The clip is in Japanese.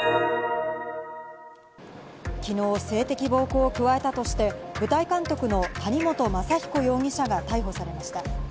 昨日、性的暴行を加えたとして、舞台監督の谷本雅彦容疑者が逮捕されました。